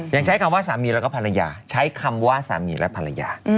ยังใช้คำว่าสามีแล้วก็ภรรยาใช้คำว่าสามีและภรรยา